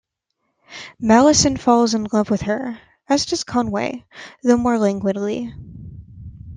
Mallinson falls in love with her, as does Conway, though more languidly.